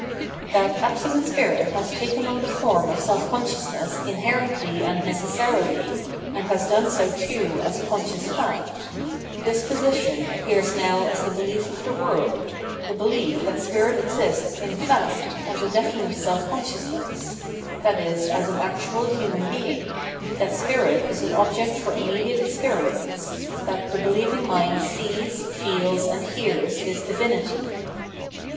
That Absolute Spirit has taken on the form of self 768 Phenomenology of Mind consciousness inherently and necessarily, and has done so too as a conscious fact — ^this position appears now as the behef of the world, the belief that spirit exists in fact OB 3, definite self consciousness, i.e. as an actual human being, that spirit is an object for immediate experience, that the believing mind sees, feeU, arid hears this divinity.